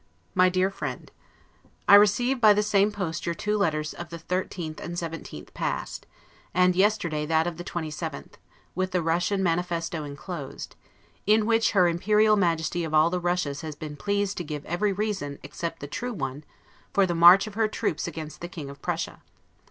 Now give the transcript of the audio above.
MY DEAR FRIEND: I received by the same post your two letters of the 13th and 17th past; and yesterday that of the 27th, with the Russian manifesto inclosed, in which her Imperial Majesty of all the Russias has been pleased to give every reason, except the true one, for the march of her troops against the King of Prussia.